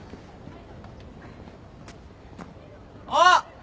あっ！